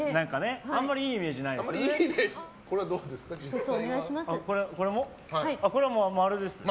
あんまりいいイメージないですよね。